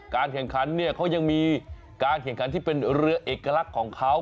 แข่งขันเนี่ยเขายังมีการแข่งขันที่เป็นเรือเอกลักษณ์ของเขา